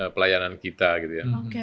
pelayanan kita gitu ya